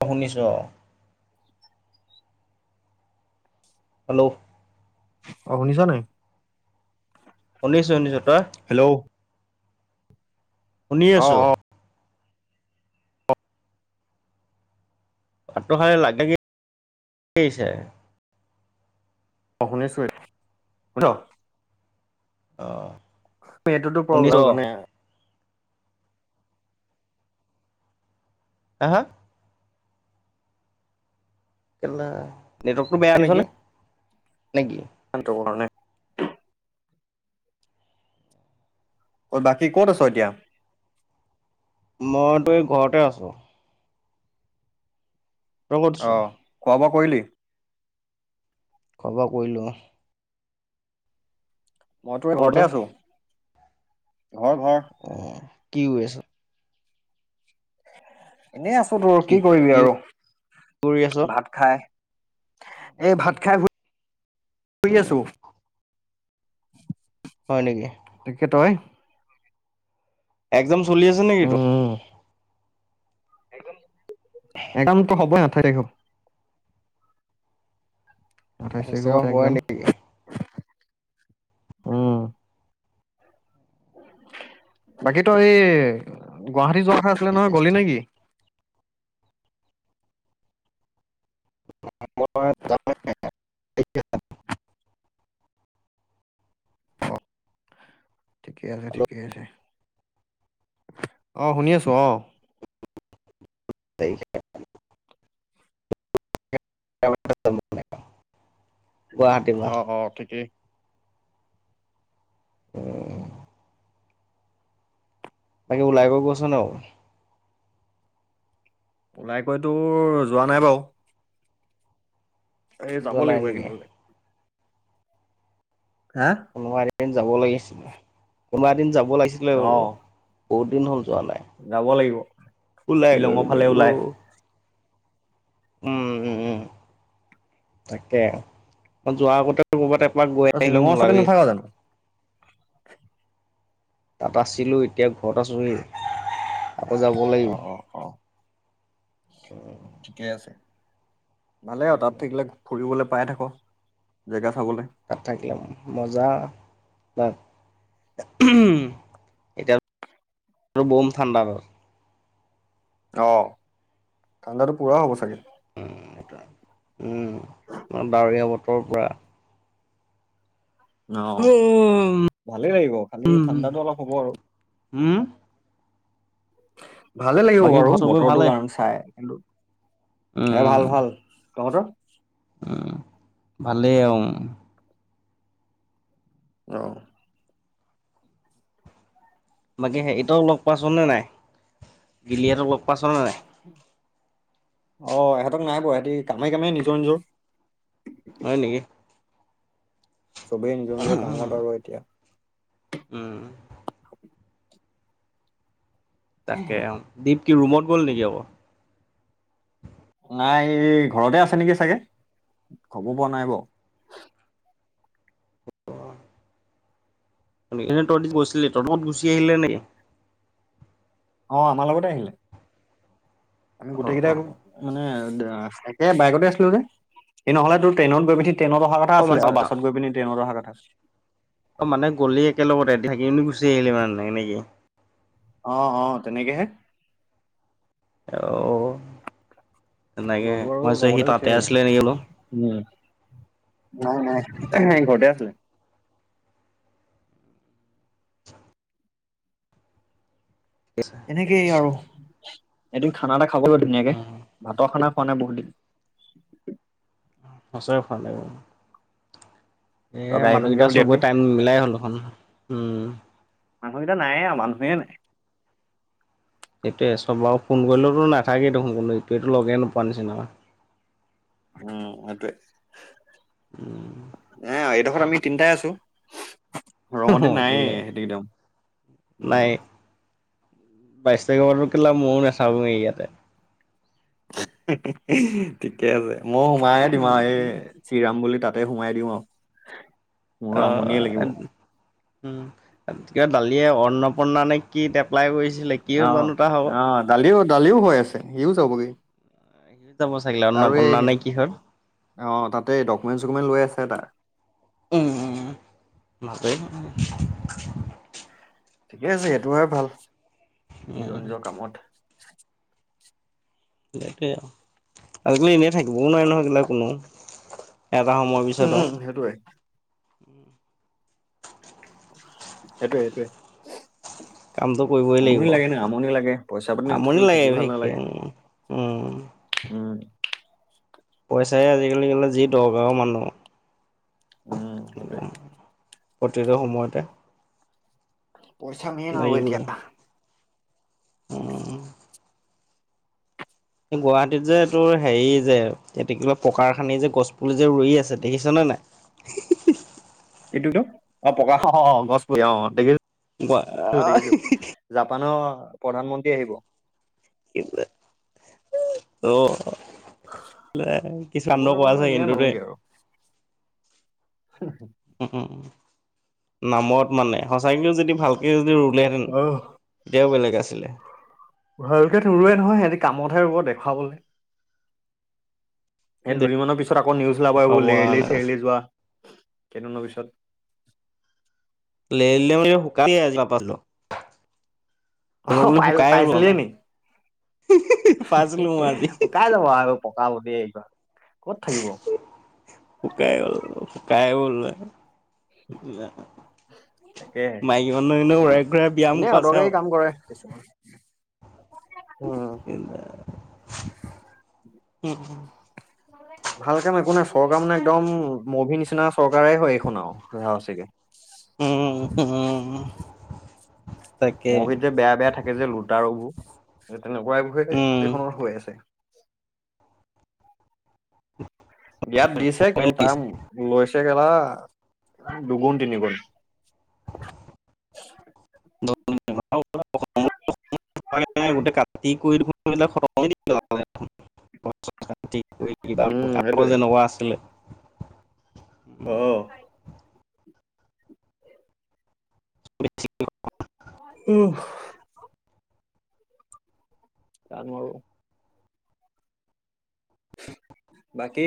অ, শুনিছো। হেল্ল', অ, শুনিছো নাই। শুনিছো - শুনিছো। তই হেল্ল', শুনি অ আছো। অ ভাতটো খাই [unintelligible] আহিছে। অ, শুনিছো [unintelligible] অ', [unintelligible] এইটোটো প্ৰব্লেম শুনিছো অ মানে হা - হা। কেলা। নেটৱৰ্কটো বেয়া নেকি। নেকি। নেটৱৰ্কৰ কাৰণে। অ, বাকী ক'ত আছো এতিয়া। মইতো এই ঘৰতে আছো। তই ক'ত আছ অ, খুৱাব কৰিলি। খৰব কৰিলো অ, মই তোৰ এই ক'ত ঘৰতে আছ আছো। ঘৰ - ঘৰ। অ কি কৰি আছা? এনেই আছো তোৰ কি কৰিবি আৰু, কৰি আছ ভাত খাই। এই ভাত খাই শুই উম আছো। [inaudible] হয় নেকি [unintelligible] একজা চলি আছে নেকি তোৰ? [unintelligible] সদায় নাথাকে স তাৰিখৰ পৰা [unintelligible] হয় একজাম। নেকি। উম। বাকী তই এই, গুৱা [unintelligible] যোৱা কথা আছিলে নহয়, গ'লি নে কি? অ [unintelligible] ঠিকে আছে, ঠিকে আছে। অ', শুনি আছো অ'। [unintelligible] [unintelligible] পৰা অ', অ', ঠিকেই। উম। বাকী ওলাই গ গৈছ নে [unintelligible] ওলাই গৈতো যোৱা নাই বাৰু। এই যাব যোৱা নাই লাগিব নেকি এইকদিনলে। হা? [unintelligible] যাব লাগিছিলে। কোনোবা এদিন যাব [unintelligible] লাগিছিলে অ বুলো। বহুত দিন হল। যোৱা নাই যাব লাগিব, ওলাই গৈ শ্বিলঙৰ পিনি ফালে অ ওলাই। উম, উম, উম। তাকে, মই যোৱাৰ আগতে তোৰ [unintelligible] ত শ্বিলঙৰ ওচৰতে নাথাক জানো? তাত আছিলোঁ এতিয়া ঘৰত আছোঁ হি। আকৌ যাব অ লাগিব। ঠিকেই আছে। ভালে আৰু তাত থাকিলে ফুৰিবলৈ পাই থাকো জেগা চাবলে তাত থাকিলে মজা। ন? আৰু বোম ঠাণ্ডাবৰ। অ' ঠাণ্ডাতটো পুৰা হ'ব চাগে? উ উম ডাৱৰীয়া বতৰৰ পুৰা অ উম ভালে লাগিব খালি ঠাণ্ডাতটো অলপ হ'ব আৰু। [unintelligible] ভালে লাগিব বাকী বাৰু ঘৰ চবৰে বতৰটো ভালে কাৰণ চাই কিন্তু এ উম ভাল ভাল। কৰ ভালেই আৰু। আহ। বাকী হেটো লগ পাইচোন নে নাই গিলহাতক লগ পাইচোন নে নাই। আহ ইহঁতক নাই বাৰ সিহতি কামেই কামেই নিজৰ নিজৰ হয় নেকি? চবেই নিজৰ নিজৰ কামত আৰু এতিয়া। উম। তাকে আও। কি ৰুমত গ'ল নেকি আকৌ? নাই এই ঘৰতে আছে নেকি চাগে খবৰ পোৱা নাই বাও। তহ গৈছিলি ত তত গুচি আহিলে নি? অ আমাৰ লগতে আহিলে। আমি অ গোটেই কেইটাই অ আকৌ মানে। একে বাইকতে আছিলো যে এ নহ'লে টেৰেইনৰ অহা কথা অ আছিলে মানে বাছ গৈ পিনি ট্ৰেইনত অহা কথা আছো। অ মানে গলি একেলগতে এদি থাকি গুচি আহিলি মানে নেকি। অ অ তেনেকেহে। অ। তেনেকে গ'ল বাৰু মই ভাবিছোঁ সি লগতে গুচি তাতে আছিলে আহিল, নেকি বোলো উম নাই নাই ঘৰতে আছিলে। এনেকেই আৰু এদিন খানা এটা খাবলৈ ধুনীয়াকে ভাতৰ খানা খোৱা নাই বহুত দিন। সঁচাই ভাল লাগিব। এ তই গাড়ীখনকে মানুহকেইটা চবে উলিয়াবি টাইম মিলাই হ'ল দেখন উম। মানুহকেইটা নায়ে আৰু মানুহে নাই। সেইটোয়ে চব বাৰ ফোন কৰিলেতো নাথাকেই দেখোন কৰিলো এইটো লগে নোপোৱা নিচিনা উম সেইটোৱে। হ শেষত আমি তিনিটাই আছো। ৰং হতি নায়েই পিনে সেইটো একদম নাই উম। বাইশ তাৰিখৰ পৰা কেলা ময়ো নাথাকো ইয়াতে। ঠিকে আছে। মই সোমায়ে দিম আৰু এই চিৰাম বুলি তাত তাতে সোমাই দিওঁ আৰু। মোৰ আমনিয়ে লাগিব। অ উম ক দালিয়ে অন্নপূৰ্ণা নে কি এপ্লাই কৰিছে অহ অ' ডালি দালিও হৈ আছে সিও যাবগে। সি যাব চাগিলে তাৰ অন্নপূৰ্ণা এই নে কিহত। অ' তাতে ডকুমেণ্ট চকুমেণ্ট লৈ আছে তাৰ। [inaudible] এ, মাতে শুনা [unintelligible] ঠিকে আছে, সেইটো আও ভাল নিজৰ উম, নিজৰ কামত [inaudible] একেই আও। আজি এনে থাকিবও নোৱাৰে নহয় [unintelligible] কোনো এটা সময়ৰ পিছত আও উম, সেইটোৱে উম সেইটোৱে, একে। কামটো কৰিবই লাগিব। লাগে পইচা পাতি আমনি নাথাকিলে লাগে থাকি ভাল বিশেষকে নালাগে উ, উম। উম, পইচাই আজিকালি মানে যি দৰকাৰ আও মানুহৰ উম, সেইটোৱে। প্ৰতিটো সময়তে পইচা মেইন‌ আৰু লাগিবই। এতিয়া। উম গুৱাহাটীত যে এই তোৰ হেৰি যে, [unintelligible] পকা খানি যে গছ পুলি যে ৰুই আছে দেখিছনেে নাই? এইটো কি? অ, পকা অ, অ, গছ পুলি অ, দেখিছ জাপানৰ [inaudible] প্ৰধানমন্ত্ৰী আহিব। [unintelligible] অ'। এইবোৰ আৰু এনেই নৰংগে আৰু [unintelligible] হ, হম। নামত মানে, সচাকেওঁ যদি ভালকেওঁ যদি [unintelligible] অ', তেতিয়াও বেলেগ আছিলে। ভালকে [unintelligible] নহয়, সিহঁতি কামত [unintelligible] দেখুৱাবলৈ। এই দুদিনমানৰ পিছত আকৌ নিউজ ওলাব, দেখুৱাব এইবোৰ লেৰলি কাৰণে চেৰলি যোৱা কেইদিনৰ পিছত লে লে ম শুকাম পাল অ পাই পাইছিলে ন পাইছিলো মই আজি কাই যাব আৰু পাব দেবাৰ ক'ত থাকিব কাই বলল তাকেহে। মাইকী মানুহ এনে উৰাই ঘূৰাই বিয়াম এনে কৰাই আছে অদৰকাৰী আৰু [unintelligible] উম এ উম ভাল কাম একো নাই চৰকাৰ মানে একদম মভিৰ নিচিনা চৰকাৰেই হয় এইখন আৰু জহাচিকে উম উম উ মভিত যে বেয়া বেয়া থাকে যে লোটাৰুবোৰ। তেনেকুৱাই বোৰে উম পৃথিৱীৰ খনৰ হৈ আছে। বিয়াত দিছে কিন্তু তাত [unintelligible] দুগুণ তিনিগুণ। [unintelligible] [unintelligible] [unintelligible] [unintelligible] উম সেইটোৱে যেনেকুৱা আছিলে। অ'। [unintelligible] উহ [unintelligible] বাকী